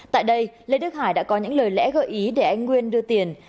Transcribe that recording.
tại đây lê đức hải đã có những lời lẽ gợi ý để anh nguyên đưa tiền